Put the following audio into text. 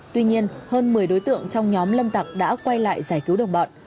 tuy nhiên hơn một mươi đối tượng trong nhóm lâm tặc đã quay lại giải cứu đồng bọn